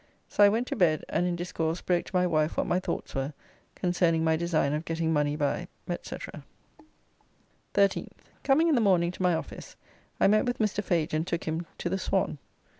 So I went to bed, and in discourse broke to my wife what my thoughts were concerning my design of getting money by, &c. 13th. Coming in the morning to my office, I met with Mr. Fage and took him to the Swan?